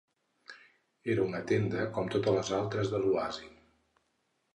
Era una tenda com totes les altres de l'oasi.